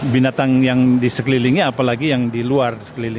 binatang yang di sekelilingi apalagi yang di luar